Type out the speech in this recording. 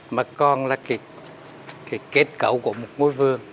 mà còn là kết cấu của một ngôi vườn